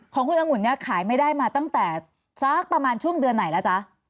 ของคุณองุ่นเนี่ยขายไม่ได้มาตั้งแต่สักประมาณช่วงเดือนไหนแล้วจ๊ะ